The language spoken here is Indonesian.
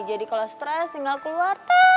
jadi kalau stress tinggal keluar